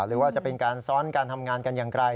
หรือว่าจะเป็นการซ้อนการทำงานกันอย่างไร